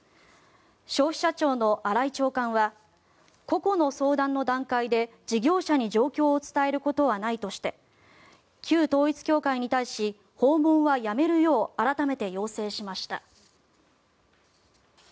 消費者庁の新井長官は個々の相談の段階で事業者に状況を伝えることはないとして旧統一教会に対し訪問はやめるよう改めて要請しました。